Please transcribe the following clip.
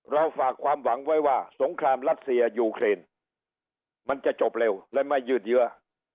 ฝากความหวังไว้ว่าสงครามรัสเซียยูเครนมันจะจบเร็วและไม่ยืดเยื้อ